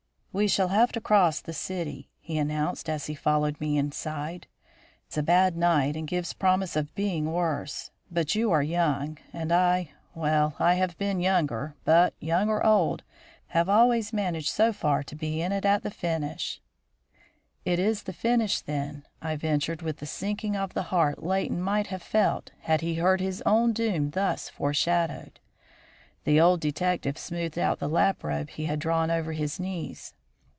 "We shall have to cross the city," he announced, as he followed me inside. "It's a bad night and gives promise of being worse. But you are young, and I well, I have been younger, but, young or old, have always managed so far to be in at the finish." "It is the finish, then?" I ventured, with that sinking of the heart Leighton might have felt had he heard his own doom thus foreshadowed. The old detective smoothed out the lap robe he had drawn over his knees.